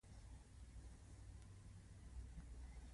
ښه عمل وکړه.